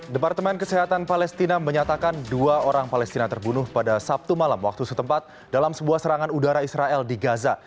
departemen kesehatan palestina menyatakan dua orang palestina terbunuh pada sabtu malam waktu setempat dalam sebuah serangan udara israel di gaza